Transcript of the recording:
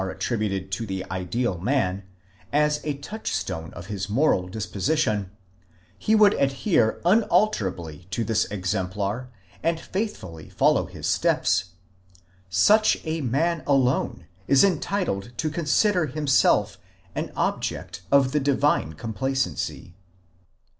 775 attributed to the ideal man, as a touchstone of his moral disposition, he would adhere unalterably to this exemplar, and faithfully follow his steps, such a man alone is entitled to consider himself an object of the divine complacency.